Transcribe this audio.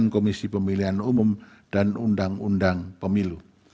komisi pemilihan umum dan undang undang pemilu